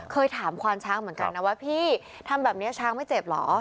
เคยถามควานช้างเหมือนกันนะว่าพี่ทำแบบนี้ช้างไม่เจ็บเหรอ